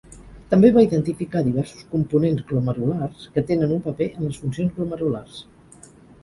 També va identificar diversos components glomerulars que tenen un paper en les funcions glomerulars.